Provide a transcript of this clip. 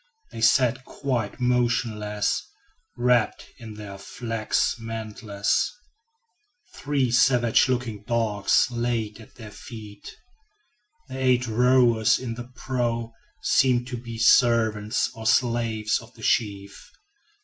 They sat quite motionless, wrapped in their flax mantles. Three savage looking dogs lay at their feet. The eight rowers in the prow seemed to be servants or slaves of the chief.